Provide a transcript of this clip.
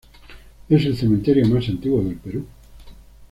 Es el cementerio más antiguo del Perú.